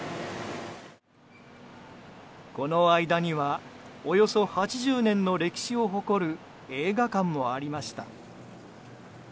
この間にはおよそ８０年の歴史を誇る映画館もありました。